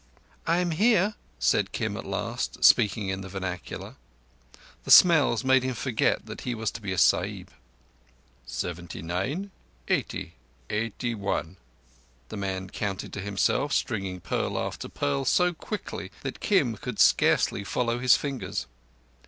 "I am here," said Kim at last, speaking in the vernacular: the smells made him forget that he was to be a Sahib. "Seventy nine, eighty, eighty one," the man counted to himself, stringing pearl after pearl so quickly that Kim could scarcely follow his fingers.